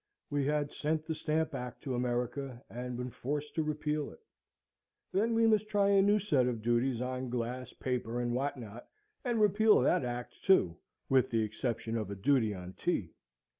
We had sent the Stamp Act to America, and been forced to repeal it. Then we must try a new set of duties on glass, paper, and what not, and repeal that Act too, with the exception of a duty on tea.